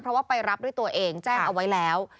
เพราะว่าไปรับด้วยตัวเองแจ้งเอาไว้แล้ว